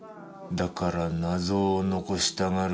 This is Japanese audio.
だから謎を残したがるか。